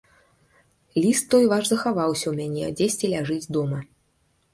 Ліст той ваш захаваўся ў мяне, дзесьці ляжыць дома.